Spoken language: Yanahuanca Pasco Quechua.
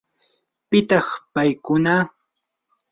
¿pitaq paykuna?